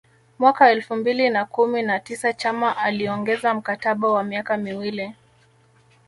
Mwaka elfu mbili na kumi na tisa Chama aliongeza mkataba wa miaka miwili